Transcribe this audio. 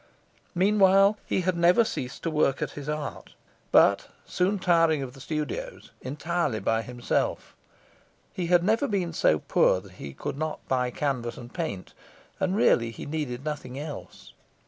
Meanwhile he had never ceased to work at his art; but, soon tiring of the studios, entirely by himself. He had never been so poor that he could not buy canvas and paint, and really he needed nothing else.